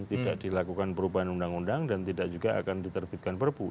tidak dilakukan perubahan undang undang dan tidak juga akan diterbitkan perpu